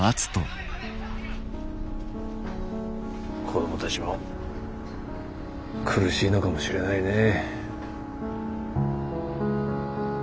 子供たちも苦しいのかもしれないねえ。